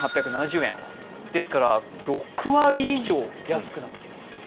ですから、６割以上安くなっている。